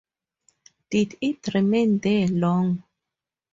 Did it remain there long?